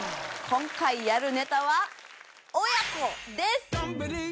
今回やるネタはです